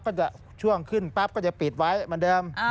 จะช่วงขึ้นปั๊บก็จะปิดไว้เหมือนเดิม